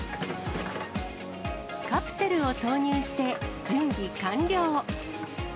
カプセルを投入して、準備完了。